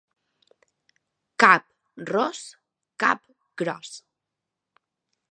Cap ros, cap gros.